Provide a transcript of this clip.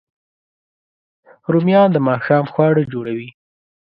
رومیان د ماښام خواړه جوړوي